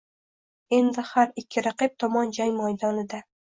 Endi har ikki raqib tomon jang maydonida.